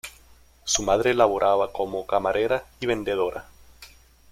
Su madre laboraba como camarera y vendedora.